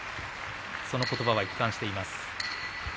そのことばは一貫しています。